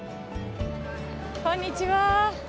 こんにちは。